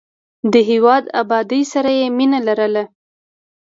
د هېواد بادۍ سره یې مینه لرله.